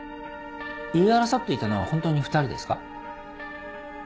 言い争っていたのはホントに２人ですか？